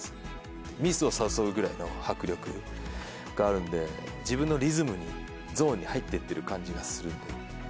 ミスを誘うぐらいの迫力があるんで、自分のリズムに、ゾーンに入ってってる感じがするっていう。